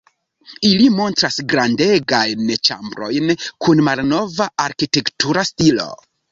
Ili montras grandegajn ĉambrojn kun malnova arkitektura stilo.